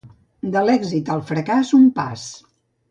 De l'èxit al fracàs, un pas.